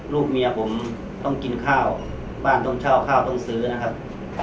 ลูกเมียผมต้องกินข้าวบ้านต้องเช่าข้าวต้องซื้อนะครับ